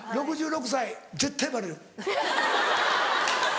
６６歳絶対バレる。